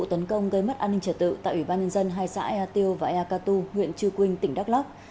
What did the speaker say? an ninh trật tự tại ủy ban nhân dân hai xã ea tiêu và ea ca tu huyện chư quynh tỉnh đắk lắk